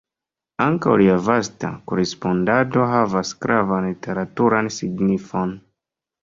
Ankaŭ lia vasta korespondado havas gravan literaturan signifon.